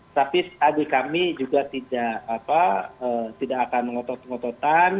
tapi tadi kami juga tidak akan ngotot ngototan